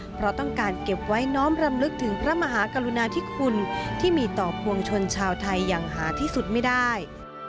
เพราะต้องการเก็บไว้น้อมรำลึกถึงพระมหากรุณาธิคุณที่มีต่อปวงชนชาวไทยอย่างหาที่สุดไม่ได้